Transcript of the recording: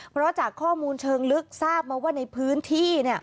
เพราะจากข้อมูลเชิงลึกทราบมาว่าในพื้นที่